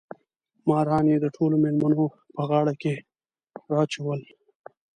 ماران یې د ټولو مېلمنو په غاړو کې راچول.